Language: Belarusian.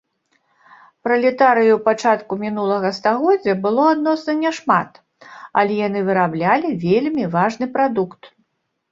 Пралетарыяў пачатку мінулага стагоддзя было адносна няшмат, але яны выраблялі вельмі важны прадукт.